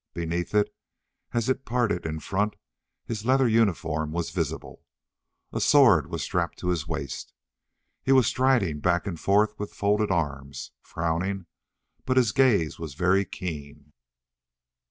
Beneath it, as it parted in front, his leather uniform was visible. A sword was strapped to his waist. He was striding back and forth with folded arms, frowning, but his gaze was very keen.